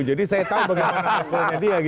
jadi saya tahu bagaimana akunnya dia